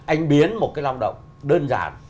anh biến một cái lao động đơn giản